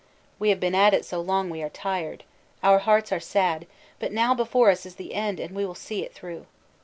We have been at it so long we are tired ; our hearts are sad, but now before us is the end and we will see it through.